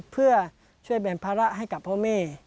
เพื่อช่วยแบ่งภาระให้กับพ่อแม่